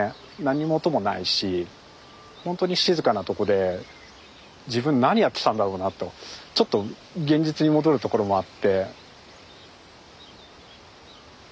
何も音もないしほんとに静かなとこで自分何やってたんだろうなとちょっと現実に戻るところもあって。